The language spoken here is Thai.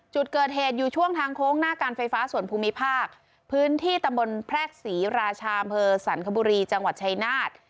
จุดเกิดเหตุอยู่ช่วงทางโค้งหน้าการไฟฟ้าส่วนภูมิภาคพื้นที่ตำบลแพรกศรีราชาอำเภอสรรคบุรีจังหวัดชายนาฏ